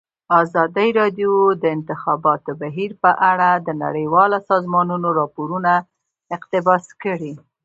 ازادي راډیو د د انتخاباتو بهیر په اړه د نړیوالو سازمانونو راپورونه اقتباس کړي.